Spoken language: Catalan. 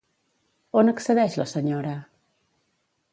On accedeix la senyora?